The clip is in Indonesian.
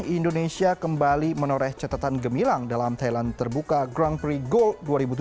indonesia kembali menoreh catatan gemilang dalam thailand terbuka grand prix gold dua ribu tujuh belas